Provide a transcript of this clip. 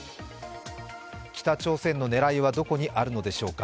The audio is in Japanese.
北朝鮮の狙いはどこにあるのでしょうか。